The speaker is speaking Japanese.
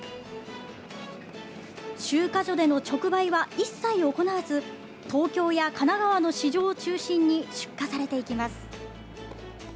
集荷所での直売は一切行わず、東京や神奈川の市場を中心に出荷されていきます。